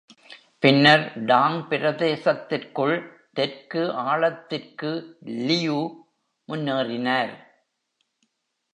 பின்னர் டாங் பிரதேசத்திற்குள் தெற்கு ஆழத்திற்கு லியு முன்னேறினார்.